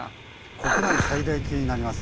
国内最大級になります。